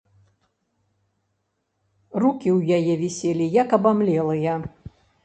Рукі ў яе віселі, як абамлелыя.